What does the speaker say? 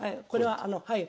はい。